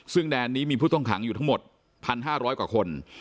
ซึ่งแดนนี้มีผู้ต้องขังอยู่ทั้งหมด๑๕๐๐กว่าคน